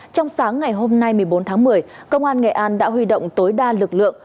trong sáng ngày hôm nay một mươi bốn tháng một mươi công an nghệ an đã huy động tối đa lực lượng